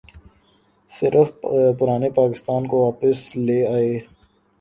صرف پرانے پاکستان کو واپس لے آئیے۔